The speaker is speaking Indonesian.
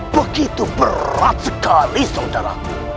begitu berat sekali saudara